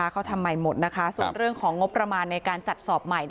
เขาทำใหม่หมดนะคะส่วนเรื่องของงบประมาณในการจัดสอบใหม่